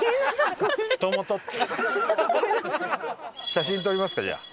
写真撮りますかじゃあ。